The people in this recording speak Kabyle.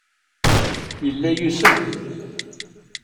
Yella yusem.